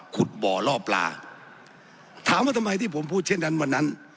บ่อล่อปลาถามว่าทำไมที่ผมพูดเช่นนั้นวันนั้น